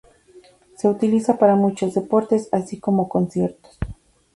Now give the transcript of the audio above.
Se utiliza para muchos deportes, así como conciertos.